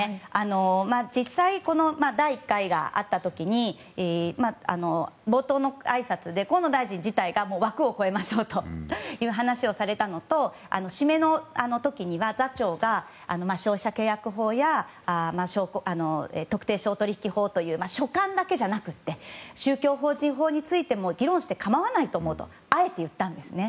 実際この第１回があった時に冒頭のあいさつで河野大臣自体が枠を超えましょうという話をされたのと締めの時は座長が消費者契約法や特定商取引法という所管だけじゃなくて宗教法人法についても議論してかまわないと思うとあえて言ったんですね。